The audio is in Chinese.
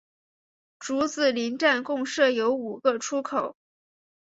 竹子林站共设有五个出口。